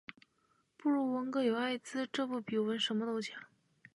不如纹个“有艾滋”这不比纹什么都强